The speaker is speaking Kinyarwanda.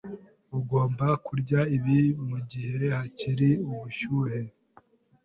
Ugomba kurya ibi mugihe hakiri ubushyuhe.